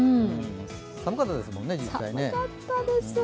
寒かったですもんね、実際。